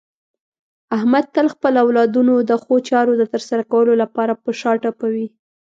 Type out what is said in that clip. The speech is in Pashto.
احمد تل خپل اولادونو د ښو چارو د ترسره کولو لپاره په شا ټپوي.